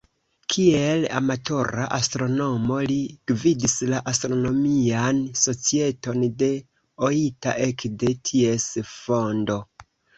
Kiel amatora astronomo, li gvidis la Astronomian Societon de Oita ekde ties fondo.